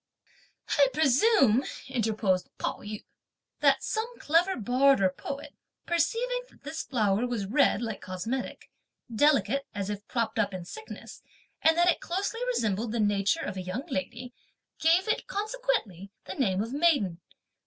"I presume," interposed Pao yü, "that some clever bard or poet, (perceiving) that this flower was red like cosmetic, delicate as if propped up in sickness, and that it closely resembled the nature of a young lady, gave it, consequently, the name of maiden!